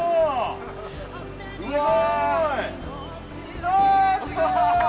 うわ。